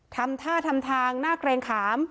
ทำท่าทำทางน่าเกรงขาม